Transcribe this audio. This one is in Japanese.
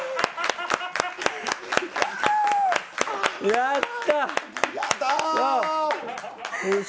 やった！